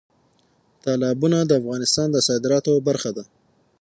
تالابونه د افغانستان د صادراتو برخه ده.